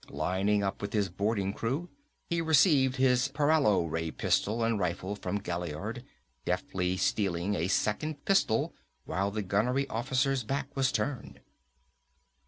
Lining up with his boarding crew, he received his paralo ray pistol and rifle from Gaillard, deftly stealing a second pistol while the gunnery officer's back was turned.